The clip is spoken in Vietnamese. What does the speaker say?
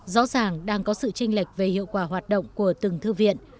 rõ ràng đang có sự tranh lệch về hiệu quả hoạt động của từng thư viện